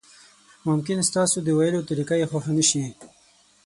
ممکن ستاسو د ویلو طریقه یې خوښه نشي.